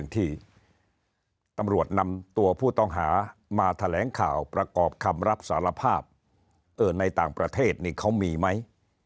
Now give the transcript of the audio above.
ที่ตำรวจนำตัวผู้ต้องหามาแถลงข่าวประกอบคำรับสารภาพในต่างประเทศนี่เขามีไหม